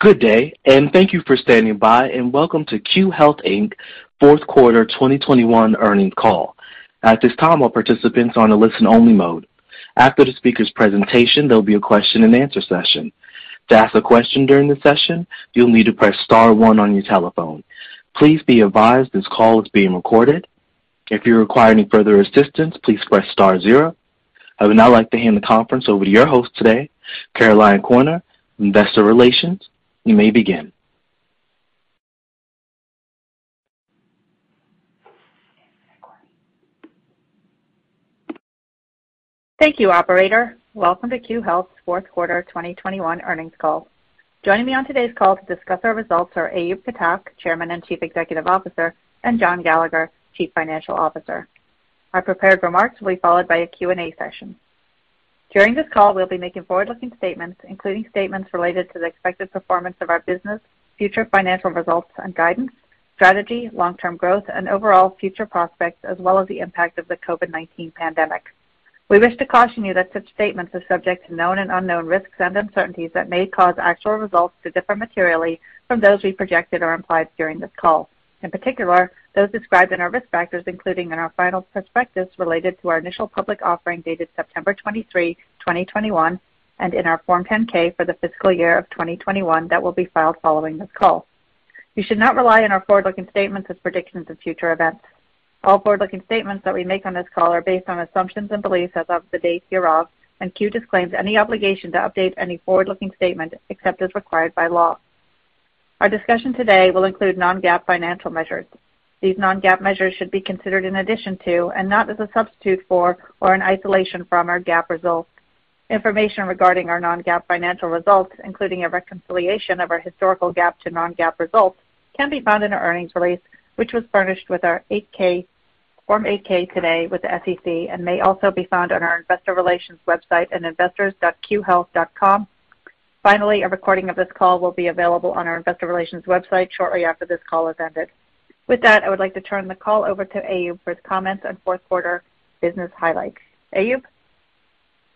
Good day and thank you for standing by and welcome to Q Health Inc. 4th Quarter 2021 Earnings Call. At this time, all participants are in a listen only mode. After the speakers' presentation, there will be a question and answer session. Please be advised this call is being recorded. I would now like to hand the conference over to your host today, Caroline Korner, Investor Relations. You may begin. Thank you, operator. Welcome to Q Health's 4th quarter 2021 earnings call. Joining me on today's call to discuss our results are Ayub Ptak, Chairman and Chief Executive Officer and John Gallagher, Chief Financial Officer. Our prepared remarks will be followed by a Q and A session. During this call, we will be making forward looking statements, including statements related to We We wish to caution you that such statements are subject to known and unknown risks and uncertainties that may cause actual results to differ materially from those we projected or implied during this call. In particular, those described in our risk factors, including in our final prospectus related to our initial public offering dated September 23, 2021, and in our Form 10 ks for the fiscal year of 2021 that will be filed following this call. You should not rely on our forward looking statements as predictions of future events. All forward looking statements that we make on this call are based on assumptions and beliefs as of the date hereof and Q disclaims any obligation to update any forward looking statement except as required by law. Our discussion today will include non GAAP financial measures. These non GAAP measures should be considered in addition to and not as a substitute for or in isolation from our GAAP results. Information regarding our non GAAP financial results, including a reconciliation of our historical GAAP The non GAAP results can be found in our earnings release, which was furnished with our Form 8 ks today with the SEC and may also be found on our Investor Relations website at With that, I would like to turn the call over to Aayub for his comments on 4th quarter business highlights. Aayub?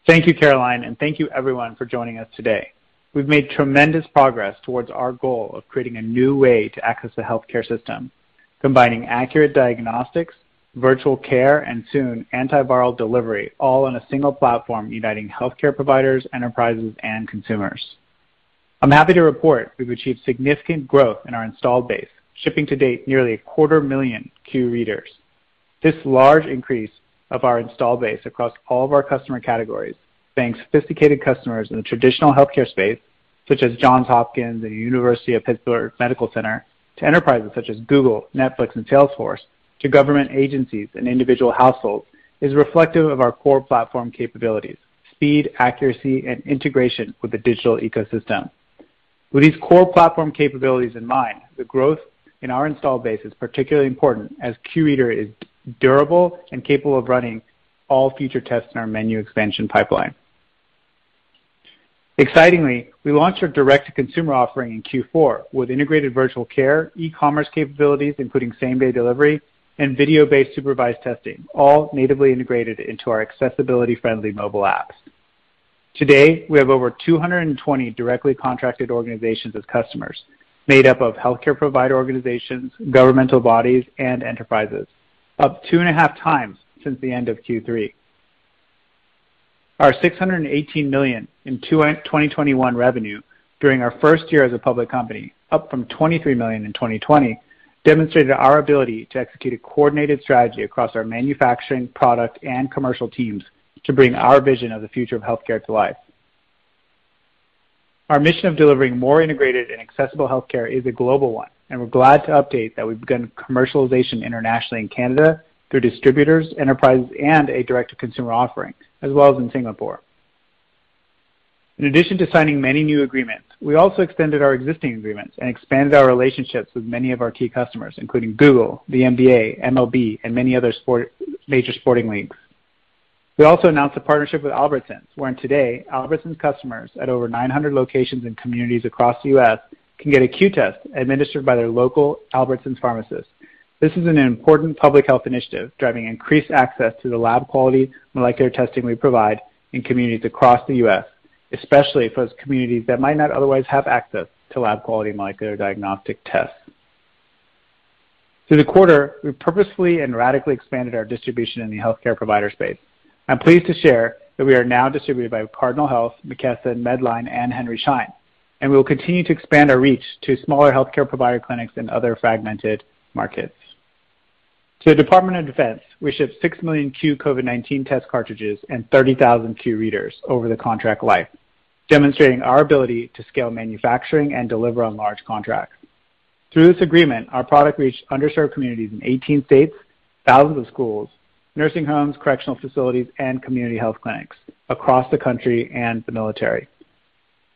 Thank you, Caroline, and thank you, everyone, for joining us today. We've made tremendous progress towards our goal of creating a new way to access the healthcare system, combining accurate diagnostics, Virtual care and soon antiviral delivery all on a single platform uniting healthcare providers, enterprises and consumers. I'm happy to report we've achieved significant growth in our installed base, shipping to date nearly a quarter 1000000 Q Readers. This large increase of our installed base across all of our customer categories, thanks sophisticated customers in the traditional health such as Johns Hopkins, the University of Pittsburgh Medical Center to enterprises such as Google, Netflix and Salesforce to government agencies and individual households is reflective of our core platform capabilities, speed, accuracy and integration with the digital ecosystem. With these core platform capabilities in mind, The growth in our installed base is particularly important as Q Reader is durable and capable of running all future tests in our menu expansion pipeline. Excitingly, we launched our direct to consumer offering in Q4 with integrated virtual care, e commerce capabilities, including same day delivery and video based supervised testing, all natively integrated into our accessibility friendly mobile apps. Today, we have over 220 up 2.5 times since the end of Q3. Our $618,000,000 in 2021 revenue During our 1st year as a public company, up from $23,000,000 in 2020 demonstrated our ability to execute a coordinated strategy Our manufacturing product and commercial teams to bring our vision of the future of healthcare to life. Our mission of delivering more integrated and Accessible Healthcare is a global one and we're glad to update that we've begun commercialization internationally in Canada through distributors, enterprises and a direct to consumer offering as well as in Singapore. In addition to signing many new agreements, we also extended our existing agreements and expanded our relationships with many of our Including Google, the NBA, MLB and many other major sporting leagues. We also announced a partnership with Albertsons, wherein today, Albertsons customers at over 900 locations and communities across the U. S. Can get a Q test administered by their local Albertsons Pharmacists. This is an important public health initiative Through the quarter, we purposefully and radically expanded our distribution in the healthcare provider space. I'm pleased to share that we are now distributed by Cardinal Health, McKesson, Medline and Henry Schein and we will continue to expand our reach to smaller healthcare provider clinics and other fragmented To the Department of Defense, we shipped 6,000,000 Q COVID-nineteen test cartridges and 30,000 Q readers over the contract life, demonstrating our ability to scale manufacturing and deliver on large contracts. Through this agreement, our product reached underserved communities in 18 states, Thousands of schools, nursing homes, correctional facilities and community health clinics across the country and the military.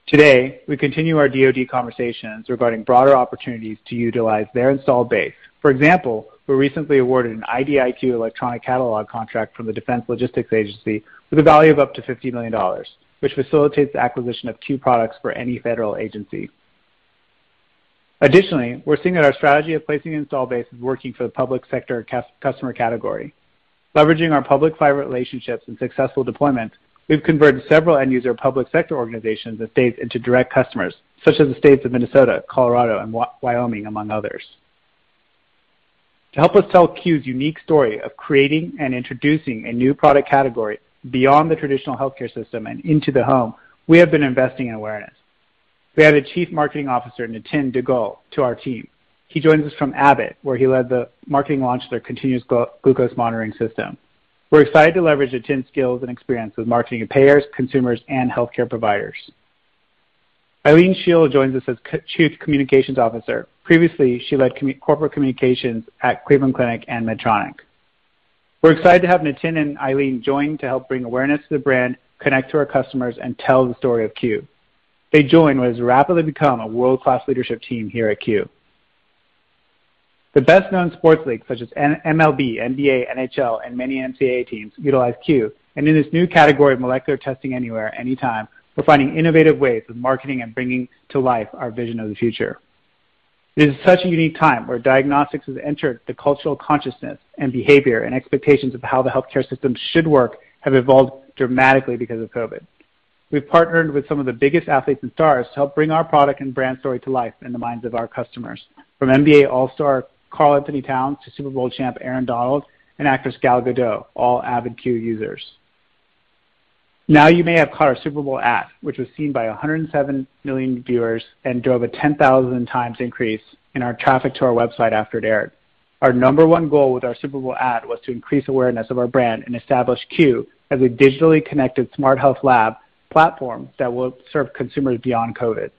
Today, we continue our DoD conversations regarding broader opportunities to utilize their installed base. For example, we recently awarded an IDIQ catalog contract from the Defense Logistics Agency with a value of up to $50,000,000 which facilitates the acquisition of Q products for any federal Additionally, we're seeing that our strategy of placing installed base is working for the public sector customer category. Leveraging our public fiber relationships and successful deployments, we've converted several end user public sector organizations and states into direct customers, such as the states of Minnesota, Colorado and Wyoming among others. To help us tell Q's unique story of We have the Chief Marketing Officer, Nitin DeGaul, to our team. He joins us from Abbott, where he led the marketing launch of their continuous glucose monitoring system. We're excited to leverage Achin's skills and experience with marketing and payers, consumers and healthcare providers. Eileen Scheel joins us as Chief Communications Officer. Previously, she Corporate Communications at Cleveland Clinic and Medtronic. We're excited to have Nitin and Eileen join to help bring awareness to the brand, Connect to our customers and tell the story of Q. They join what has rapidly become a world class leadership team here at Q. The best known sports leagues such as MLB, NBA, NHL and many NCAA teams utilize Q and in this new category of molecular testing anywhere, anytime We're finding innovative ways of marketing and bringing to life our vision of the future. It is such a unique time where diagnostics has entered the cultural consciousness And behavior and expectations of how the healthcare system should work have evolved dramatically because of COVID. We've partnered with some of the biggest athletes and stars to help bring our product Brand story to life in the minds of our customers from NBA All Star Karl Anthony Towns to Super Bowl champ Aaron Donald and actress Gal Gadot, all avid Q users. Now you may have caught our Super Bowl ad, which was seen by 107,000,000 viewers and drove a 10,000 times increase in our traffic to our website after it aired. Our number one goal with our Super Bowl ad was to increase awareness of our brand and establish Q as a digitally connected smart health lab platform that will serve consumers beyond COVID.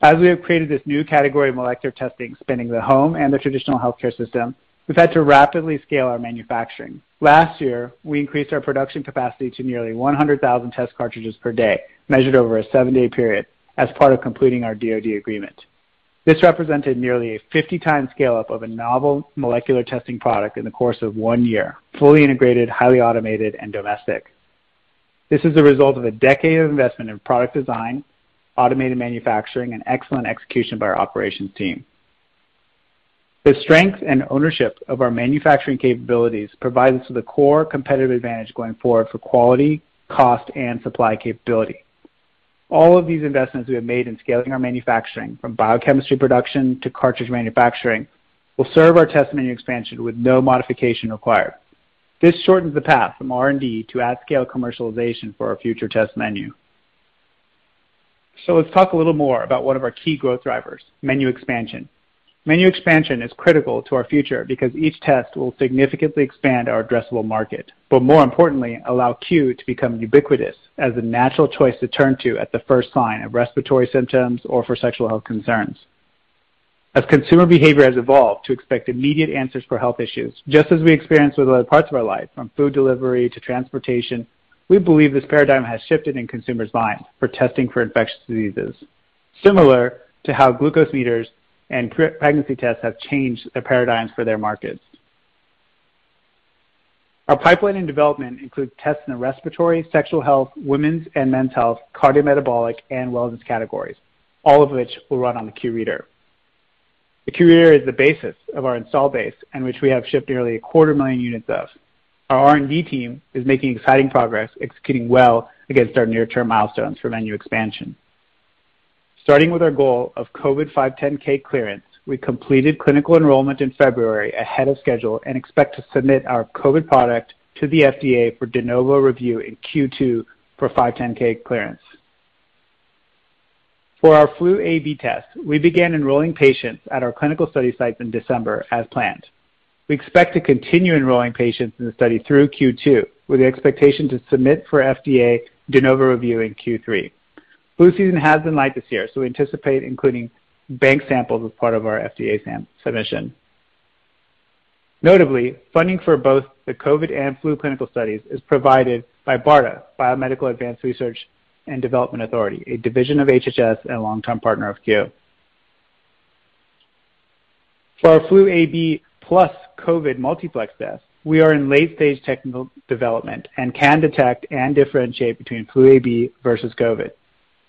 As we have created this new category of molecular testing, spending the home and the traditional healthcare system, we've had to rapidly scale our manufacturing. Last year, we increased our production capacity to nearly 100,000 test cartridges per day measured over a 7 day period as part of completing our DoD agreement. This represented nearly a 50 times scale up of a novel molecular testing product in the course of 1 year, fully integrated, highly automated and domestic. This is a result of a decade of investment in product design, automated manufacturing and excellent execution by our operations team. The strength and ownership of our manufacturing capabilities provide us with a core competitive advantage going forward for quality, cost and supply capability. All of these investments we have made in scaling our manufacturing from biochemistry production to cartridge manufacturing will serve our test menu expansion with no modification required. This shortens the path from R and D to at scale commercialization for our future test menu. So let's talk a little more about one of our key growth drivers, Menu expansion is critical to our future because each test will significantly expand our addressable market, but more importantly allow Q to become ubiquitous as a natural choice to turn to at the first sign of respiratory symptoms or for sexual health concerns. As consumer behavior has evolved to expect immediate answers for health issues, Just as we experienced with other parts of our life from food delivery to transportation, we believe this paradigm has shifted in consumers' lives for testing for infectious diseases. Similar to how glucose meters and pregnancy tests have changed the paradigms for their markets. Our pipeline and development include tests in the respiratory, sexual health, women's and men's health, cardiometabolic and wellness categories, all of which will run on the Q Reader. The Q Reader is the basis of our installed base and which we have shipped nearly a quarter 1000000 units of. Our R and D team is making exciting progress executing well against our near term milestones for menu expansion. Starting with our goal of COVID 510 clearance, we completed clinical enrollment in February ahead of schedule and expect to submit our COVID product to the FDA for de novo review in Q2 for 510 clearance. For our flu AB test, We began enrolling patients at our clinical study sites in December as planned. We expect to continue enrolling patients in the study through Q2 with the expectation to submit for FDA de novo review in Q3. Blue season has been light this year, so we anticipate including Bank samples are part of our FDA submission. Notably, funding for both the COVID and flu clinical studies is provided by BARDA, Biomedical Advanced Research and Development Authority, a division of HHS and a long term partner of Q. For our flu AB plus COVID multiplex test, we are in late stage technical development and can detect And differentiate between flu AB versus COVID.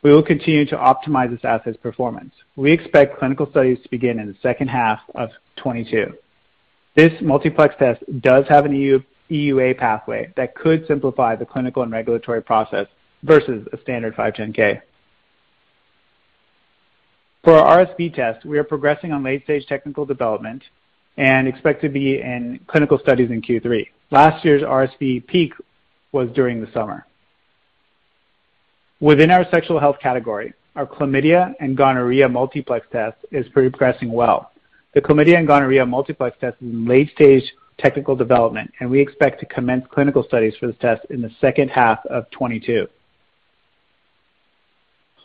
We will continue to optimize this asset's performance. We expect clinical studies to begin in the second half of 22. This multiplex test does have an EUA pathway that could simplify the clinical and regulatory versus a standard 510. For RSV test, we are progressing on late stage technical development and expect to be in clinical studies in Q3. Last year's RSV peak was during the summer. Within our sexual health category, our chlamydia and gonorrhea multiplex test is progressing well. The chlamydia and gonorrhea multiplex test is in late stage Technical development and we expect to commence clinical studies for this test in the second half of twenty twenty two.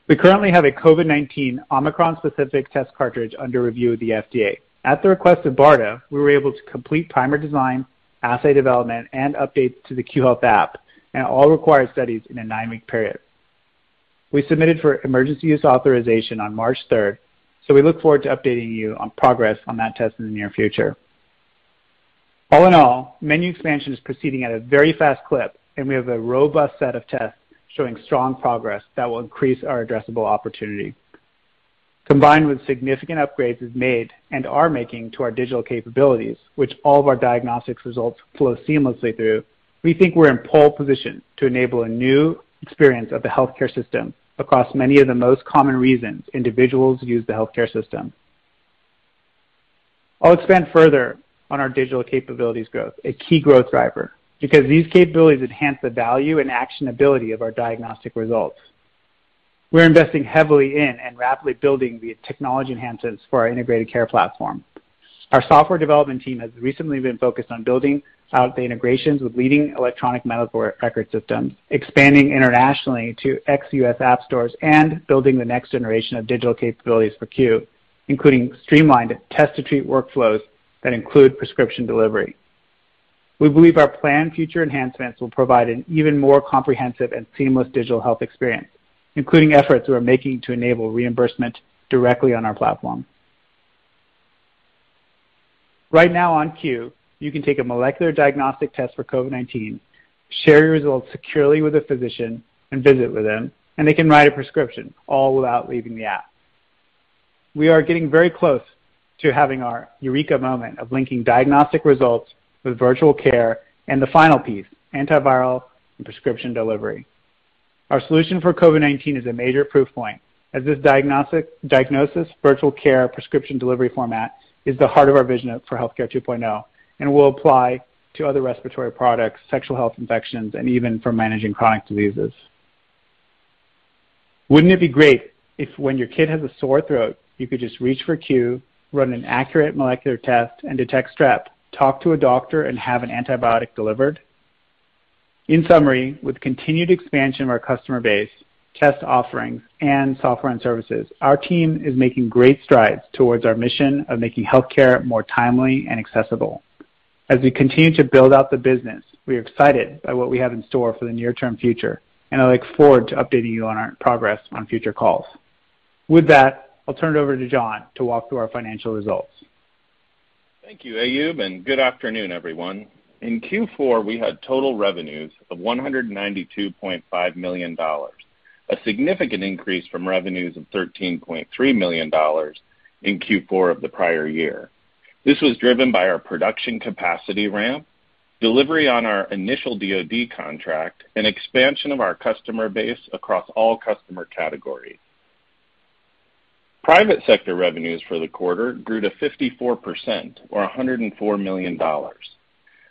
We currently have a COVID-nineteen Omicron specific test cartridge under review of the FDA. At the request of BARDA, we were able to complete primer design, assay development and updates to the Q Health app and all required studies in a 9 week period. We submitted for emergency use authorization on March 3. So we look forward to updating you on progress on that test in the near future. All in all, menu expansion is proceeding at a very fast clip and we have a robust set of tests showing strong progress that will increase our addressable opportunity. Combined with significant upgrades we've made and are making to our digital capabilities, which all of our diagnostics results flow seamlessly through, we think we're in pole position to enable a new experience of the healthcare system across many of the most common reasons individuals use the healthcare system. I'll expand further on our digital We're investing heavily in and rapidly building the technology enhancements for our integrated care platform. Our software development team has recently been focused on building Out of the integrations with leading electronic medical record systems, expanding internationally to ex U. S. App stores and building the next generation of digital capabilities for Q, including streamlined test to treat workflows that include prescription delivery. We believe our planned future enhancements will provide an even more comprehensive and seamless digital health experience, including efforts we are making to enable reimbursement directly on our platform. Right now on Q, you can take a molecular diagnostic test for COVID-nineteen, share your results securely with a physician and visit with them and they can write a prescription all without leaving the app. We are getting very close to having our eureka moment of linking diagnostic results with virtual care and the final piece antiviral prescription delivery. Our solution for COVID-nineteen is a major proof point As this diagnosis, virtual care prescription delivery format is the heart of our vision for Healthcare 2.0 and will apply to other respiratory products, sexual health infections and even for managing chronic diseases. Wouldn't it be great if when your kid has a sore throat, You could just reach for Q, run an accurate molecular test and detect strep, talk to a doctor and have an antibiotic delivered. In summary, with continued expansion of our customer base, test offerings and software and services, our team is making great strides towards our mission of making healthcare more timely and accessible. As we continue to build out the business, we are excited by what we have in store for the near term future And I look forward to updating you on our progress on future calls. With that, I'll turn it over to John to walk through our financial results. Thank a significant increase from revenues of $13,300,000 in Q4 of the prior year. This was driven by our production capacity ramp, delivery on our initial DoD contract and expansion of our customer base across all Private sector revenues for the quarter grew to 54% or $104,000,000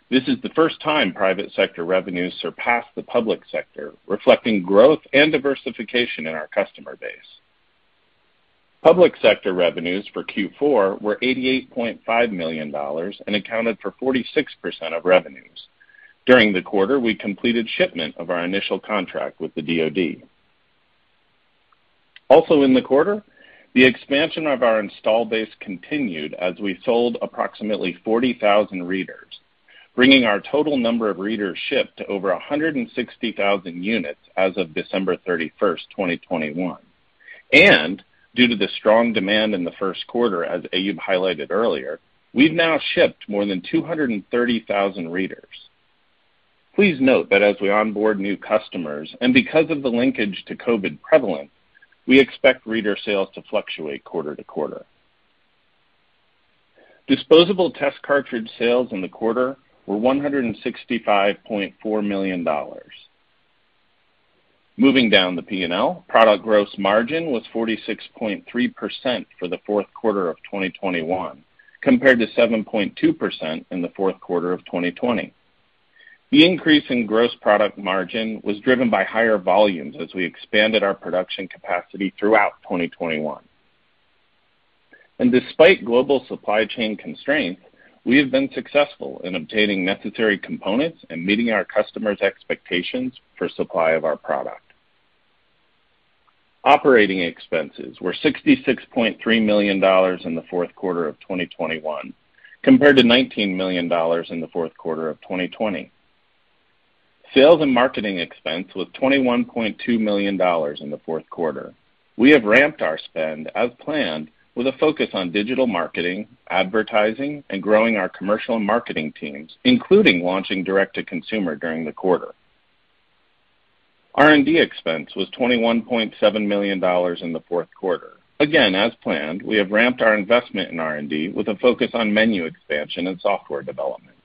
This is the first time private sector revenues surpassed the public sector, reflecting growth and diversification in our customer Public sector revenues for Q4 were $88,500,000 and accounted for 46% of revenues. During the quarter, we completed shipment of our initial contract with the DoD. Also in the quarter, The expansion of our installed base continued as we sold approximately 40,000 readers, bringing our total number of readers shipped Over 160,000 units as of December 31, 2021. And due to the strong demand in the Q1, as Ayub highlighted earlier, We've now shipped more than 230,000 readers. Please note that as we onboard new customers and because of the linkage to COVID prevalent, We expect reader sales to fluctuate quarter to quarter. Disposable test cartridge sales in the quarter were 165 The increase in gross product margin was driven by higher volumes as we expanded our production capacity throughout 2021. And despite global supply chain constraints, we have been successful in obtaining necessary components and meeting our customers' expectations for supply of our product. Operating expenses were $66,300,000 in the Q4 of 2021 compared to $19,000,000 in the Q4 of 2020. Sales and marketing expense was $21,200,000 in the 4th quarter. We have ramped our spend as planned with a focus on digital marketing, advertising and growing our commercial and marketing teams, including launching direct to consumer during R and D expense was $21,700,000 in the 4th quarter. Again, as planned, We have ramped our investment in R and D with a focus on menu expansion and software development.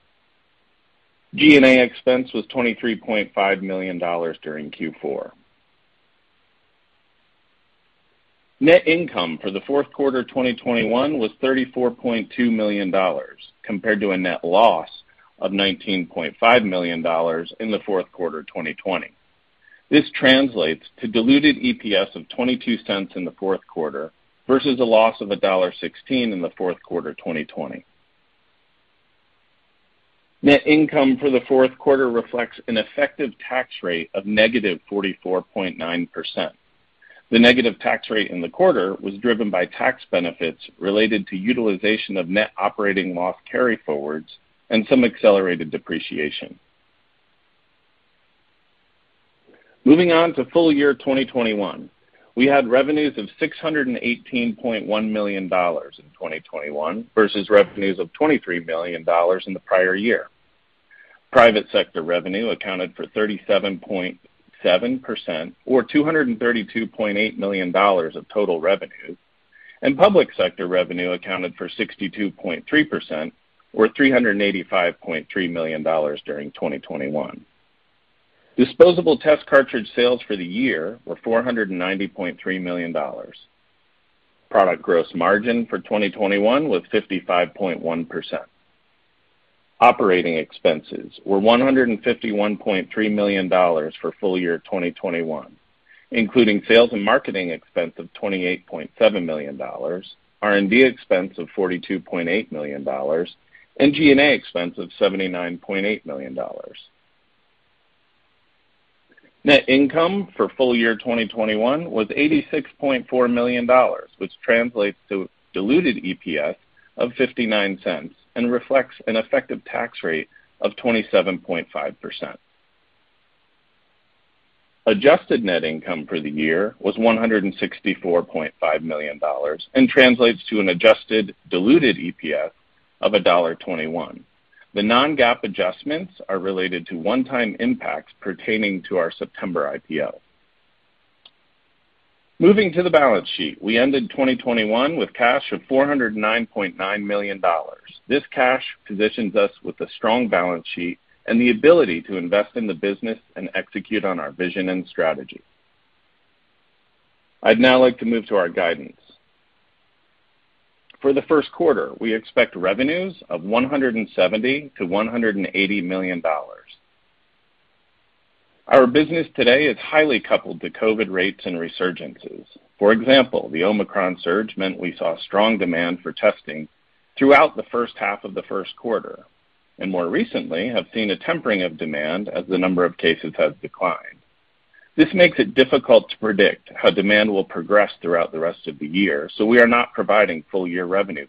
G and A expense was $23,500,000 during Q4. Net income for the Q4 2021 was $34,200,000 compared to a net loss of $19,500,000 in the Q4 2020. This translates to diluted EPS of $0.22 in 4th quarter versus a loss of $1.16 in the Q4 2020. Net income for the 4th quarter an effective tax rate of negative 44.9 percent. The negative tax rate in the quarter was driven by tax benefits related to utilization of net operating loss carryforwards and some accelerated depreciation. Moving on to full year 2021, we had revenues of $618,100,000 in 2021 versus revenues of 23,000,000 dollars in the prior year. Private sector revenue accounted for 37.7 percent or $232,800,000 Total revenue and public sector revenue accounted for 62.3 percent or 385 point $3,000,000 during 2021. Disposable test cartridge sales for the year were $490,300,000 Product gross margin for 2021 was 55.1%. Operating expenses were $151,300,000 for full year 2021, including sales and marketing expense of 28,700,000 R and D expense of $42,800,000 and G and A expense of $79,800,000 Net income for full year 2021 was $86,400,000 which translates to diluted EPS of $0.59 and reflects an effective tax rate of 27.5 percent. Adjusted net income for the year was 100 and Adjustments are related to one time impacts pertaining to our September IPO. Moving to the balance sheet, We ended 2021 with cash of $409,900,000 This cash positions us with a strong balance and the ability to invest in the business and execute on our vision and strategy. I'd now like to move to our guidance. For the Q1, we expect revenues of $170,000,000 to 180,000,000 Our business today is highly coupled to COVID rates and resurgences. For example, the omicron surge meant we saw strong demand This makes it difficult to predict how demand will progress throughout the rest of the year, so we are not providing full year revenue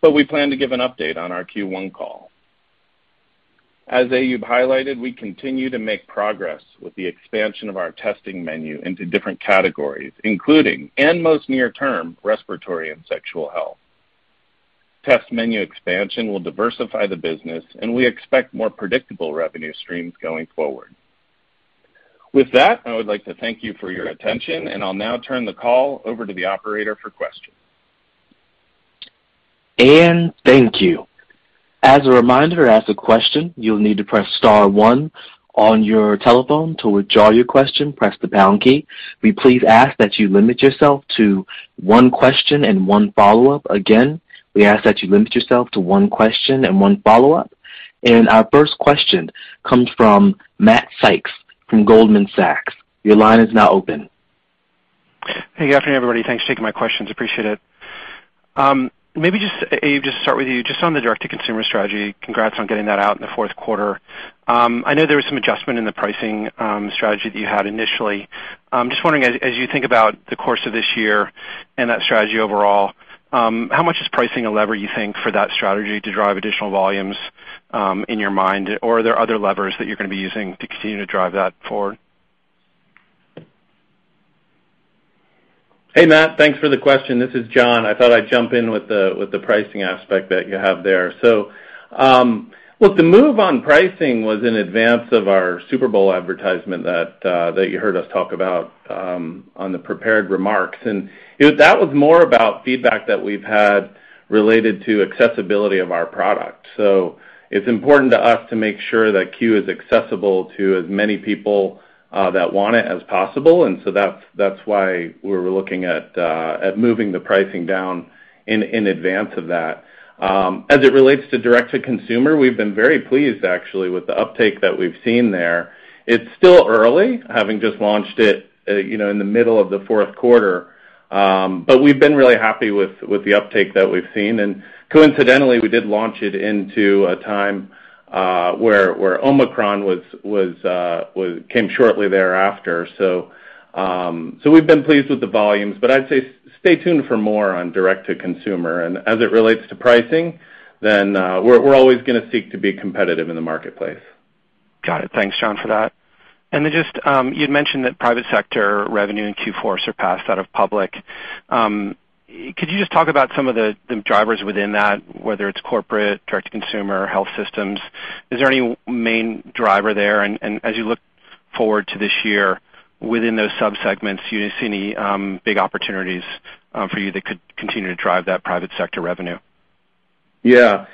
But we plan to give an update on our Q1 call. As Ayub highlighted, we continue to make progress with the expansion of our testing into different categories, including and most near term respiratory and sexual health. Test menu expansion will diversify the business and we expect With that, I would like to thank you for your attention. And I'll now turn the call over to the operator for questions. We ask that you limit yourself to one question and one follow-up. And our first question comes from Matt Sykes from Goldman Sachs. Your line is now open. Hey, good afternoon, everybody. Thanks for taking my questions. I appreciate it. Maybe just, Abe, just start with you. Just on the direct to consumer strategy, Congrats on getting that out in the Q4. I know there was some adjustment in the pricing strategy that you had initially. I'm just wondering as you think about the course of this year in That strategy overall, how much is pricing a lever you think for that strategy to drive additional volumes in your mind? Or are there other levers that you're going to be using to continue to drive Hey, Matt, thanks for the question. This is John. I thought I'd jump in with the pricing That you have there. So, look, the move on pricing was in advance of our Super Bowl advertisement That you heard us talk about on the prepared remarks. And that was more about feedback that we've had related to accessibility of our product. So it's important to us to make sure that Q is accessible to as many people that want it as Possible and so that's why we're looking at moving the pricing down in advance of that. As it relates to direct to consumer, we've been very We're actually pleased with the uptake that we've seen there. It's still early having just launched it in the middle of Q4, but we've been really happy with With the uptake that we've seen and coincidentally we did launch it into a time where Omicron It was came shortly thereafter. So we've been pleased with the volumes, but I'd say stay tuned for more on Direct to consumer. And as it relates to pricing, then we're always going to seek to be competitive in the marketplace. Got it. Thanks, John, for that. And then just, you had mentioned that private sector revenue in Q4 surpassed out of public. Could you just talk about some of the drivers within that, whether it's corporate, direct to consumer, health systems? Is there any main driver there? And as you look Forward to this year, within those sub segments, do you see any big opportunities for you that could continue to drive that private sector revenue? Yes.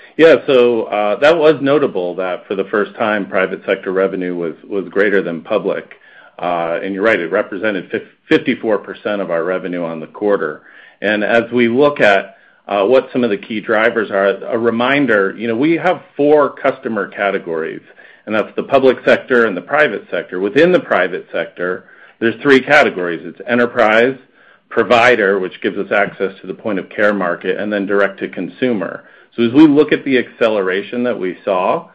So that was notable that for the first time private sector revenue was greater than public. And you're right, it represented 54% of our revenue on the quarter. And as we look at what some of the key drivers are, a reminder, we have 4 gives us access to the point of care market and then direct to consumer. So as we look at the acceleration that we saw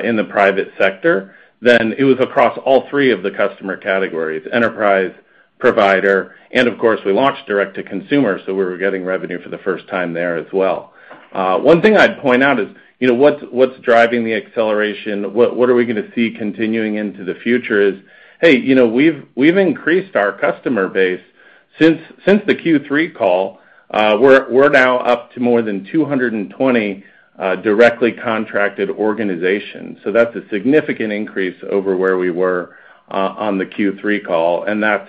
in the private sector, Then it was across all three of the customer categories enterprise, provider and of course we launched direct to consumer, so we were getting revenue The first time there as well. One thing I'd point out is what's driving the acceleration, what are we going to see continuing into the future is, Hey, we've increased our customer base since the Q3 call. We're now up to more than 220 Directly contracted organization. So that's a significant increase over where we were on the Q3 call and that's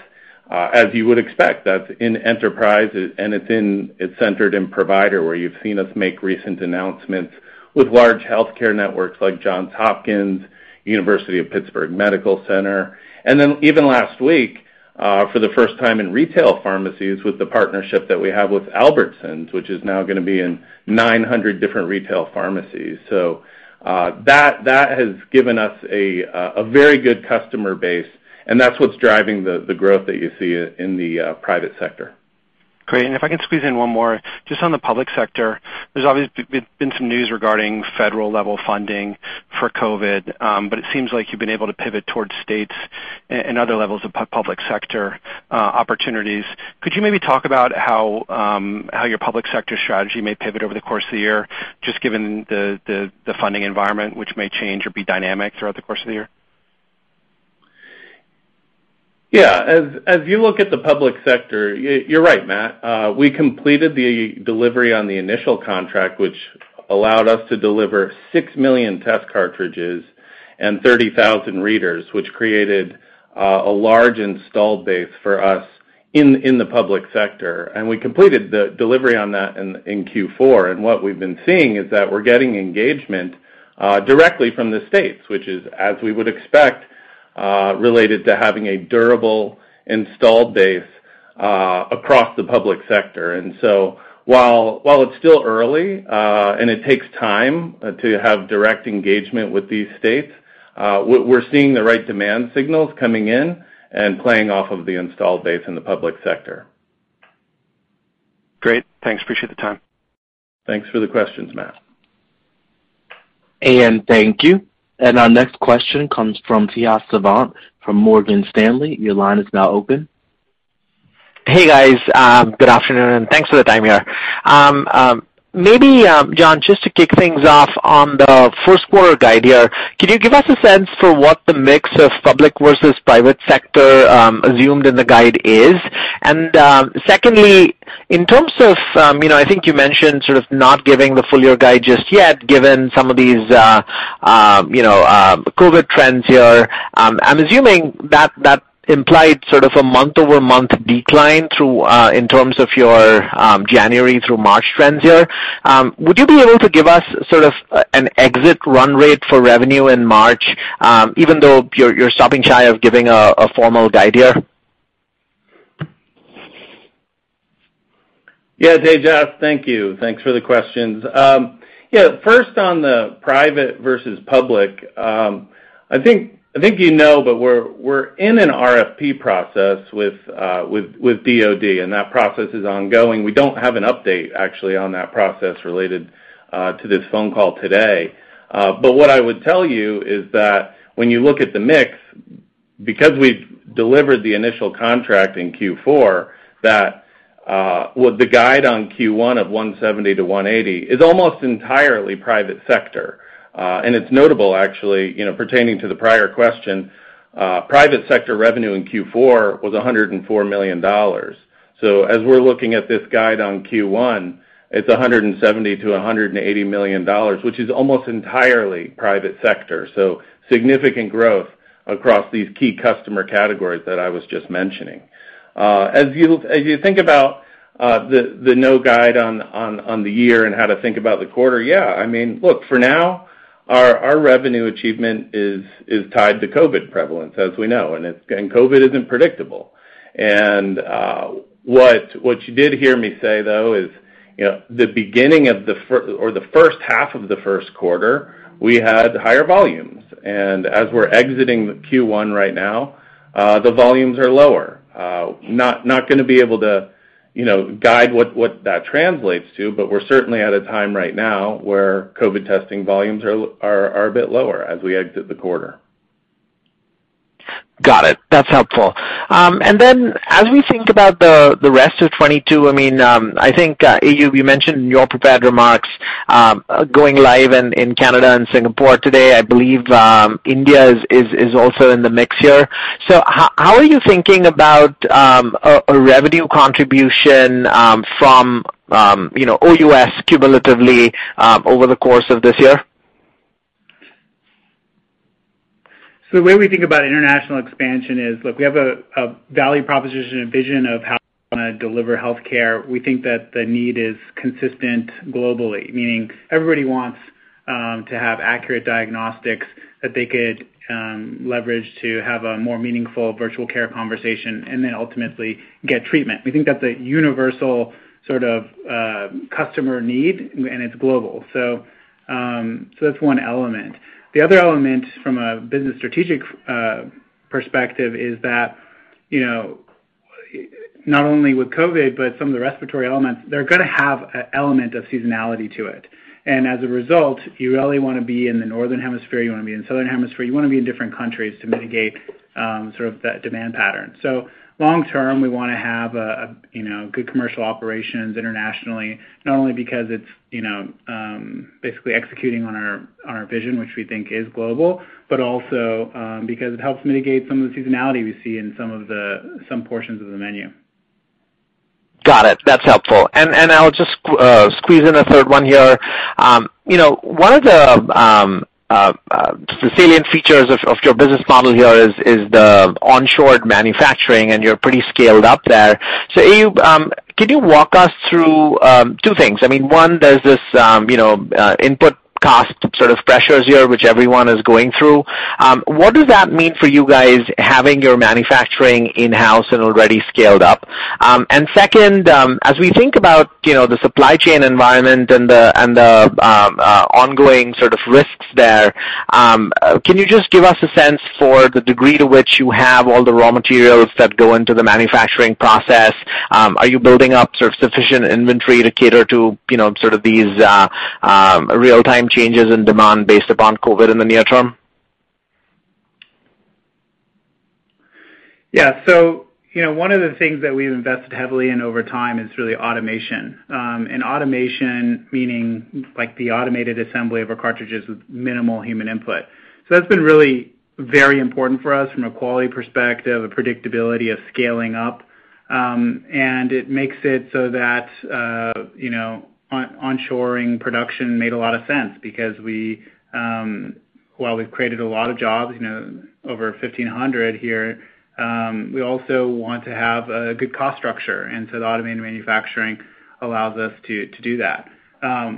As you would expect, that's in enterprise and it's in it's centered in provider where you've seen us make recent announcements With large healthcare networks like Johns Hopkins, University of Pittsburgh Medical Center and then even last week, For the first time in retail pharmacies with the partnership that we have with Albertsons, which is now going to be in 900 different retail pharmacies. So That has given us a very good customer base and that's what's driving the growth that you see in the private sector. Great. And if I can squeeze in one more, just on the public sector, there's obviously been some news regarding federal level funding for COVID, but it seems like you've been able to pivot towards states and other levels of public sector opportunities. Could Could you maybe talk about how your public sector strategy may pivot over the course of the year, just given the funding environment, which may change or be dynamic throughout the course of the year? Yes. As you look at the public sector, you're right, Matt. We completed the delivery on the initial contract, which Allowed us to deliver 6,000,000 test cartridges and 30,000 readers, which created a large installed base for us in the public sector. And we completed the delivery on that in Q4. And what we've been seeing is that we're getting engagement directly from the states, which is as we would expect related to having a durable installed base across the public sector. And so while it's still early and it takes time to have direct engagement with these states, We're seeing the right demand signals coming in and playing off of the installed base in the public sector. Great. Thanks. Appreciate the time. Thanks for the questions, Matt. And thank you. And our next question comes from Tyus Sivan from Morgan Stanley. Your line is now open. Hey, guys. Good afternoon and thanks for the time here. Maybe, John, just to kick things off on the Q1 guide here, Could you give us a sense for what the mix of public versus private sector assumed in the guide is? And secondly, In terms of I think you mentioned sort of not giving the full year guide just yet given some of these COVID trends here. I'm assuming that implied sort of a month over month decline through in terms of your January through March trends here. Would you be able to give us sort of an exit run rate for revenue in March, even though you're stopping shy of giving a formal guide here? Yes. Hey, Jeff, thank you. Thanks for the questions. Yes, first on the private versus public, I think you know, but we're in an RFP process with DoD and that process This is ongoing. We don't have an update actually on that process related to this phone call today. But what I would tell you is that When you look at the mix, because we've delivered the initial contract in Q4 that, with the guide on Q1 of 1 $70,000,000 to $180,000,000 is almost entirely private sector. And it's notable actually pertaining to the prior question, Private sector revenue in Q4 was $104,000,000 So as we're looking at this guide on Q1, It's $170,000,000 to $180,000,000 which is almost entirely private sector. So significant growth Across these key customer categories that I was just mentioning. As you think about the no guide On the year and how to think about the quarter, yes, I mean, look for now, our revenue achievement is tied to COVID prevalence as we know And COVID isn't predictable. And what you did hear me say though is the beginning of the or the first Half of the first quarter, we had higher volumes. And as we're exiting the Q1 right now, the volumes are lower. Not going to be able to guide what that translates to, but we're certainly at a time right now where COVID testing volumes are a bit lower as we exit the quarter. Got it. That's helpful. And then as we think about the rest of 'twenty two, I mean, I think, Ayu, you mentioned in your prepared remarks Going live in Canada and Singapore today, I believe India is also in the mix here. So how are you thinking about Revenue contribution from OUS cumulatively over the course of this year? So the way we think about international expansion is, look, we have a value proposition and vision of how Deliver healthcare, we think that the need is consistent globally, meaning everybody wants, to have accurate diagnostics That they could leverage to have a more meaningful virtual care conversation and then ultimately get treatment. We think that's a universal Sort of customer need and it's global. So that's one element. The other element from a business strategic Perspective is that not only with COVID, but some of the respiratory elements, they're going to have an element of seasonality to it. And as a result, you really want to be in the Northern Hemisphere, you want to be in Southern Hemisphere, you want to be in different countries to mitigate, sort of that demand pattern. So Long term, we want to have good commercial operations internationally, not only because it's Basically executing on our vision, which we think is global, but also because it helps mitigate some of the seasonality we see in some portions of the menu. Got it. That's helpful. And I'll just squeeze in a third one here. One of the The salient features of your business model here is the onshore manufacturing and you're pretty scaled up there. So, Can you walk us through 2 things? I mean, 1, there's this input cost sort of pressures here, which everyone is going through. What does that mean for you guys having your manufacturing in house and already scaled up? And second, as we think about The supply chain environment and the ongoing sort of risks there, can you just give us a sense For the degree to which you have all the raw materials that go into the manufacturing process, are you building up sort of sufficient inventory to cater to sort of these real time changes in demand based upon COVID in the near term? Yes. So one of the things that we've invested heavily in over time is really automation. And automation meaning like the automated assembly of our cartridges Minimal human input. So that's been really very important for us from a quality perspective, a predictability of scaling up. And it makes it so that On shoring production made a lot of sense because we while we've created a lot of jobs over 1500 here, We also want to have a good cost structure and so the automated manufacturing allows us to do that.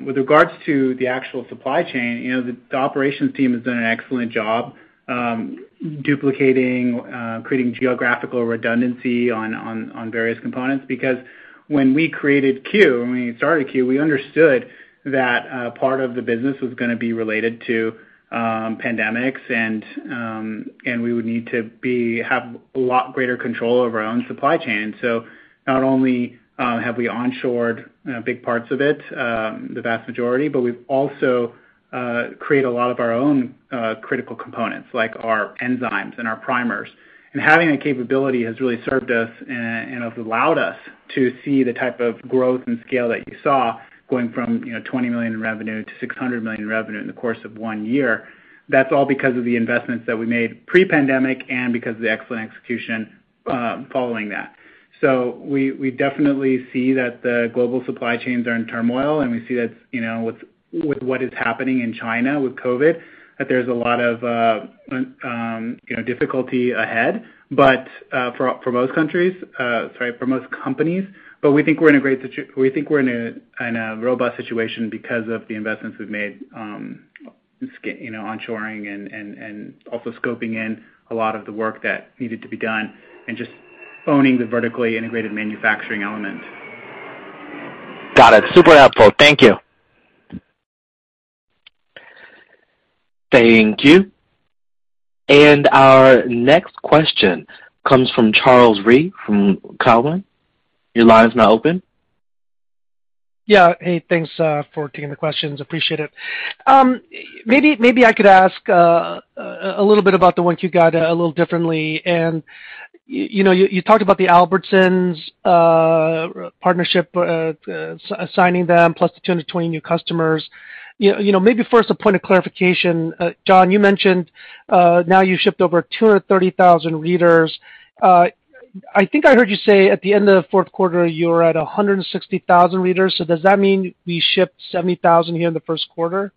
With regards to the actual supply chain, the operations team has done an excellent job, duplicating, Creating geographical redundancy on various components because when we created Q, I mean started Q, we understood That part of the business was going to be related to pandemics and we would need to be have A lot greater control over our own supply chain. So not only have we on shored big parts of it, the vast majority, but we've also Create a lot of our own critical components like our enzymes and our primers and having that capability has really served us and have allowed us To see the type of growth and scale that you saw going from $20,000,000 in revenue to $600,000,000 in revenue in the course of 1 year, That's all because of the investments that we made pre pandemic and because of the excellent execution following that. So we definitely See that the global supply chains are in turmoil and we see that with what is happening in China with COVID that there's a lot of Difficulty ahead, but for most countries sorry, for most companies. But we think we're in a great situation we think we're And a robust situation because of the investments we've made on shoring and also scoping in A lot of the work that needed to be done and just owning the vertically integrated manufacturing element. Got it. Super helpful. Thank you. Thank you. And our next question comes from Charles Rhyee from Cowen. Your line is now open. Yes. Hey, thanks for taking the questions. I appreciate it. Maybe I could ask A little bit about the 1Q guide a little differently. And you talked about the Albertsons Partnership assigning them plus the 220 new customers. Maybe first a point of clarification. John, you mentioned Now you shipped over 230,000 readers. I think I heard you say at the end of the Q4, you were at 160,000 readers. So does that mean We shipped 70,000 here in the Q1.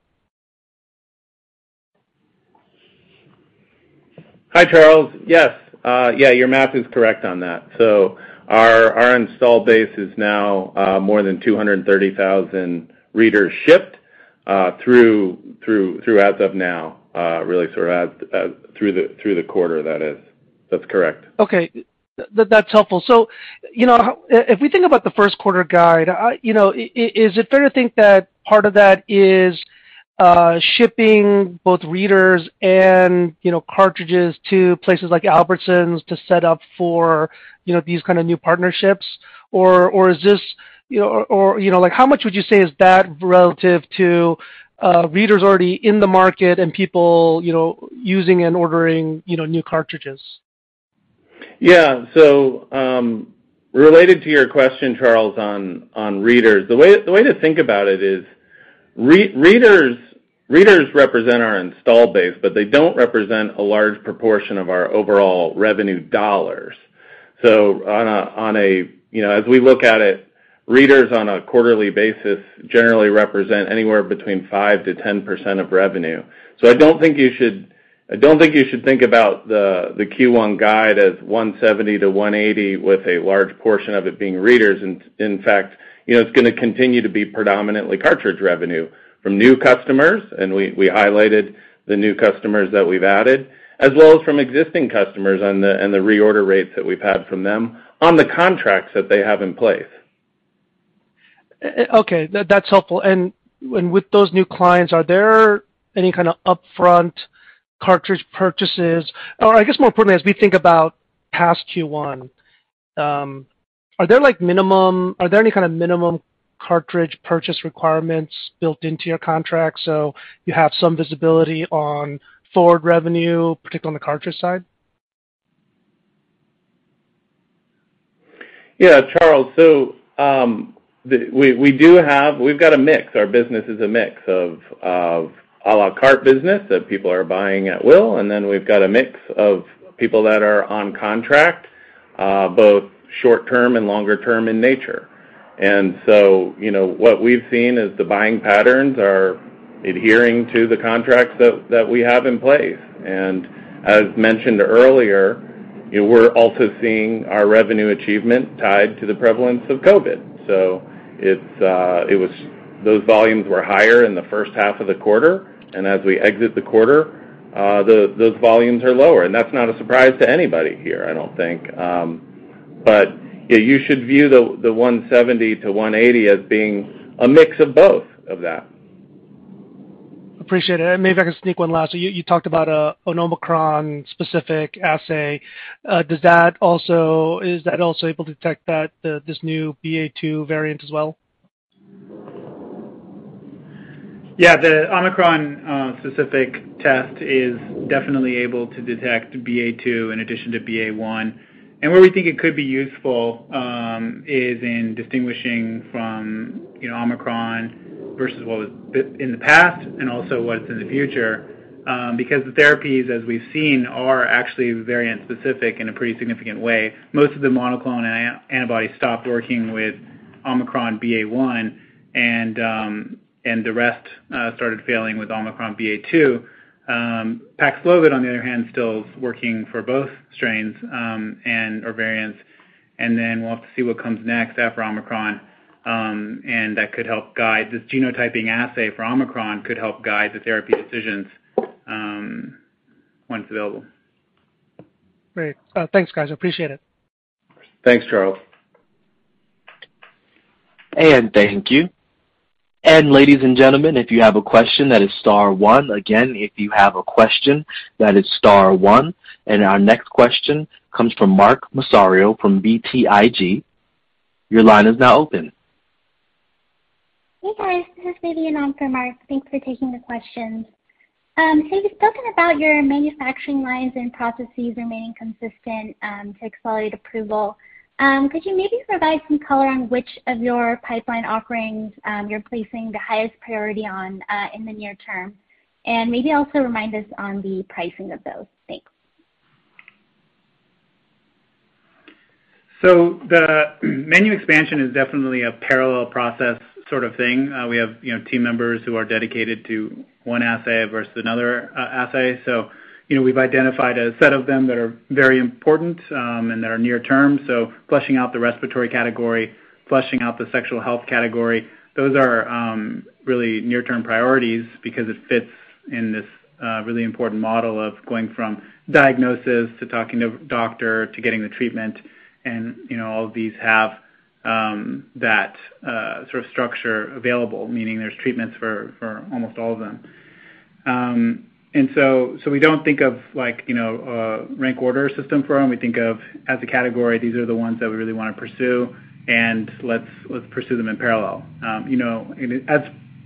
Hi, Charles. Yes. Yes, your math is correct on that. So our installed base is now more than 230,000 readers shipped Through as of now, really through the quarter that is. That's correct. Okay. That's helpful. If we think about the Q1 guide, is it fair to think that part of that is shipping both readers And cartridges to places like Albertsons to set up for these kind of new partnerships? Or is this Or like how much would you say is that relative to readers already in the market and people using and ordering new cartridges? Yes. So related to your question, Charles, on readers, the way to think about it is Readers represent our installed base, but they don't represent a large proportion of our overall revenue dollars. So on a as we look at it, Readers on a quarterly basis generally represent anywhere between 5% to 10% of revenue. So I don't think you should I don't think you should think about the Q1 guide as $170,000,000 to $180,000,000 with a large portion of it being readers. In fact, It's going to continue to be predominantly cartridge revenue from new customers and we highlighted the new customers that we've added As well as from existing customers and the reorder rates that we've had from them on the contracts that they have in place. Okay. That's helpful. And with those new clients, are there any kind of upfront cartridge purchases? Or I guess more importantly, as we think about Past Q1, are there like minimum are there any kind of minimum cartridge purchase requirements Built into your contract, so you have some visibility on forward revenue, particularly on the cartridge side? Yes, Charles. So, we do have we've got a mix. Our business is a mix of a la carte business that people are buying at will and then we've got a mix of people that are on contract, both short term and longer term in nature. And so what we've seen is the buying patterns are adhering to the contracts that we have in place. And as mentioned earlier, We're also seeing our revenue achievement tied to the prevalence of COVID. So it was Those volumes were higher in the first half of the quarter. And as we exit the quarter, those volumes are lower. And that's not a surprise to anybody here, I don't think. But you should view the 170 to 180 as being a mix of both of that. Appreciate it. And maybe if I can sneak one last. So you talked about Onomacron specific assay. Does that also is that also able to detect that This new BA. 2 variant as well? Yes. The Omicron specific test is definitely able to detect BA. 2 in addition to BA. 1. And where we think it could be useful, is in distinguishing from Omicron versus what was In the past and also was in the future, because the therapies, as we've seen, are actually variant specific in a pretty significant way. Most of the monoclonal Antibody stopped working with Omicron BA. 1 and the rest started failing with Omicron BA. 2. Paxlovid on the other hand still working for both strains and or variants and then we'll have to see what comes next after Omicron And that could help guide this genotyping assay for Omicron could help guide the therapy decisions once available. Great. Thanks guys. Appreciate it. Thanks, Charles. And thank you. And our next question comes from Mark Massaro from BTIG. Your line is now open. Hey guys, this is Vivien on for Mark. Thanks for taking the questions. So you've spoken about your manufacturing lines and processes remaining consistent to accelerate approval. Could you maybe provide some color on which of your pipeline offerings you're placing the highest priority on in the near term? And maybe also remind us on the pricing of those. Thanks. So the menu expansion is definitely a parallel process sort of thing. We have team members who are dedicated to One assay versus another assay. So we've identified a set of them that are very important, and that are near term. So flushing out the respiratory category, Flushing out the sexual health category, those are really near term priorities because it fits in this really important model of going from Diagnosis to talking to doctor to getting the treatment and all of these have that structure available, meaning there's treatments for almost all of them. And so we don't think of like rank order system for them. We think of As a category, these are the ones that we really want to pursue and let's pursue them in parallel.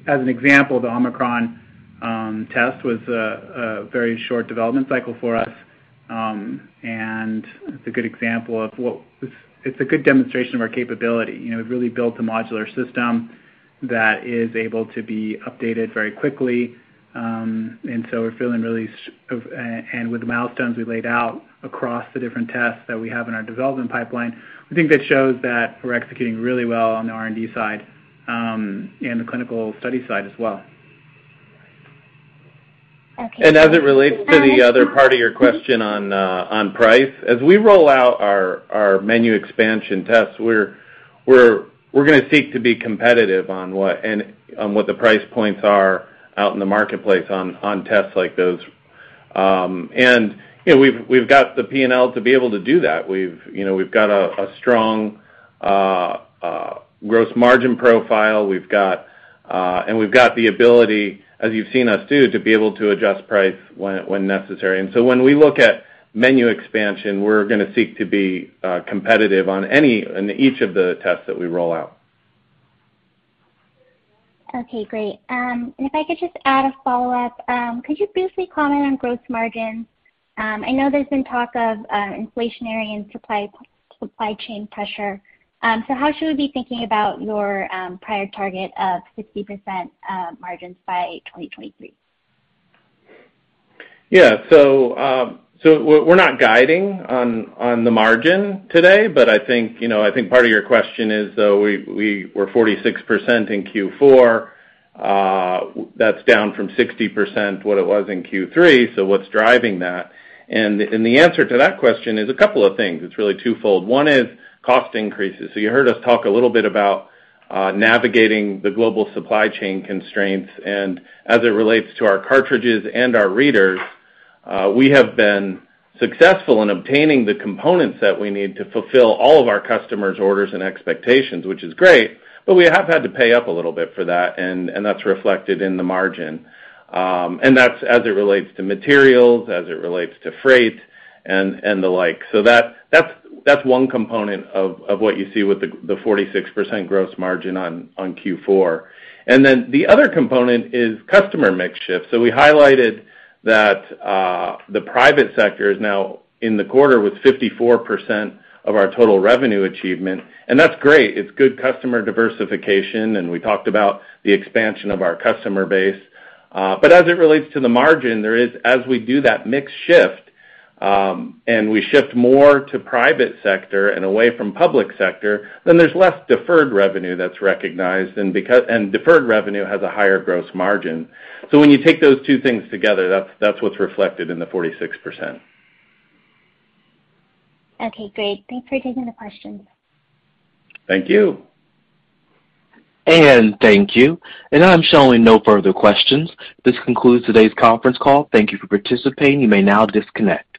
As an example, the Omicron Test was a very short development cycle for us and it's a good example of what It's a good demonstration of our capability. We've really built a modular system that is able to be updated very quickly. And so we're feeling really and with the milestones we laid out across the different tests that we have in our development pipeline, I think that shows that we're executing really well on the R and D side, and the clinical study side as well. And as it relates to the other part of your question on price, as we roll out our menu expansion tests, We're going to seek to be competitive on what the price points are out in the marketplace on tests like those. And we've got the P and L to be able to do that. We've got a strong gross margin profile. We've got And we've got the ability as you've seen us do to be able to adjust price when necessary. And so when we look at menu We're going to seek to be competitive on any in each of the tests that we roll out. Okay, great. And if I could just add a follow-up, could you briefly comment on gross margins? I know there's been talk of inflationary and Supply chain pressure. So how should we be thinking about your prior target of 60% margins by 2023? Yes. So we're not guiding on the margin today, but I think part of your question is though We were 46% in Q4. That's down from 60% what it was in Q3. So what's driving that? And the answer to that question is a couple of things. It's really twofold. One is cost increases. So you heard us talk a little bit about Navigating the global supply chain constraints and as it relates to our cartridges and our readers, we have been Successful in obtaining the components that we need to fulfill all of our customers' orders and expectations, which is great, but we have had to pay up a little bit for that and that's reflected in the margin. In the margin. And that's as it relates to materials, as it relates to freight and the like. So That's one component of what you see with the 46% gross margin on Q4. And then the other component is customer mix shift. So we highlighted That the private sector is now in the quarter with 54% of our total revenue achievement And that's great. It's good customer diversification and we talked about the expansion of our customer base. But as it relates to the margin, there is as we do that mix shift and we shift more to private sector and away from public sector, then there's less deferred revenue that's Recognized and deferred revenue has a higher gross margin. So when you take those two things together, that's what's reflected in the 46%. Okay, great. Thanks for taking the questions. Thank you. And thank you. And I'm showing no further questions. This concludes today's conference call. Thank you for participating. You may now disconnect.